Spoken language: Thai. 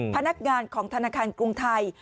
พนักงานของธนาคารกรุงไทย